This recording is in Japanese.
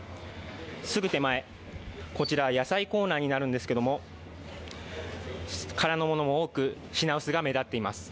すぐ手前、こちら、野菜コーナーになるんですけども、空のものも多く品薄が目立っています。